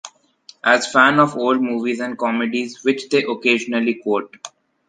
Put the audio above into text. A fan of old movies and comedies, which they occasionally quote.